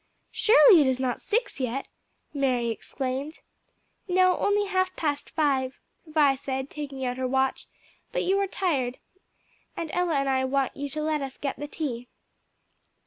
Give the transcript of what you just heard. "Surely it is not six yet!" Mary exclaimed. "No, only half past five," Vi said, taking out her watch; "but you are tired, and Ella and I want you to let us get the tea."